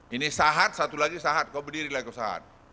ini sahat satu lagi sahat kau berdiri lah kau sahat